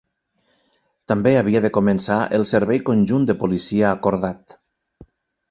També havia de començar el servei conjunt de policia acordat.